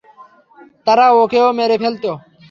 তারা ওকেও মেরে ফেলতো।